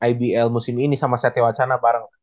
ibl musim ini sama satya wacana bareng